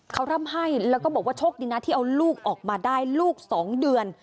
เขาร่ำให้แล้วก็บอกว่าโชคดีนะที่เอาลูกออกมาได้ลูก๒เดือน